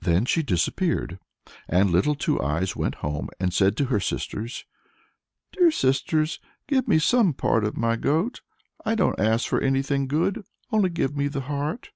Then she disappeared, and Little Two Eyes went home and said to her sisters, "Dear sisters, give me some part of my goat; I don't ask for anything good, only give me the heart."